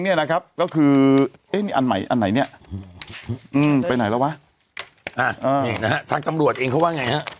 เอ๊ะอันใหม่อันไหนเนี่ยไปไหนแล้ววั้ะ